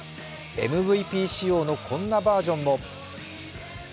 ＭＶＰ仕様のこんなバージョンも。